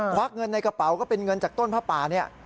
วักเงินในกระเป๋าก็เป็นเงินจากต้นผ้าป่าเนี่ย